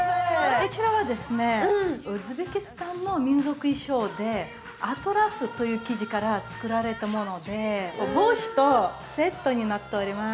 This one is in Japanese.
こちらはですねウズベキスタンの民族衣装でアトラスという生地からつくられたもので帽子とセットになっております。